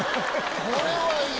これはいい！